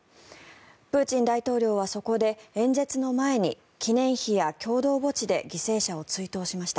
プーチン大統領はそこで演説の前に記念碑や共同墓地で犠牲者を追悼しました。